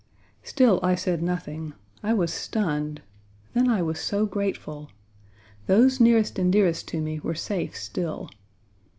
Still I said nothing; I was stunned; then I was so grateful. Those nearest and dearest to me were safe still.